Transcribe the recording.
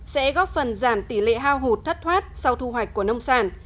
sẽ góp phần giảm tỷ lệ hao hụt thất thoát sau thu hoạch của nông sản